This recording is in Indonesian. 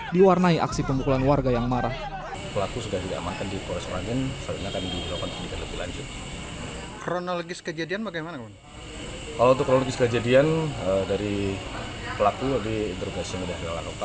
diwarnai aksi pemukulan warga yang marah